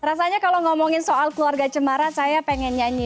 rasanya kalau ngomongin soal keluarga cemara saya pengen nyanyi